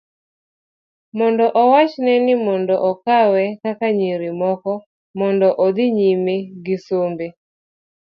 mondo owachne ni mondo okawe kaka nyiri moko mondo odhi nyime gi sombe